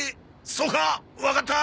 そうかわかった！